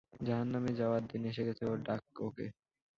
জাহান্নামে যাওয়ার দিন এসে গেছে ওর, ডাক ওকে!